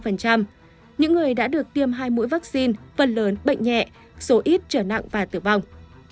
những người đã được tiêm hai mũi vaccine phần lớn bệnh nhẹ số ít trở nặng và tử vong